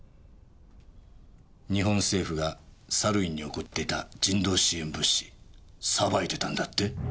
日本政府がサルウィンに送っていた人道支援物資さばいてたんだって？